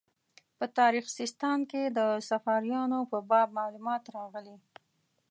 په تاریخ سیستان کې د صفاریانو په باب معلومات راغلي.